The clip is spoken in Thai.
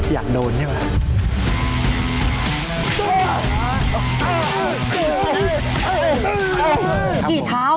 อยากโดนนี่แหละ